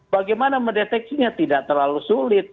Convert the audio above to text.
bagaimana mendeteksinya tidak terlalu sulit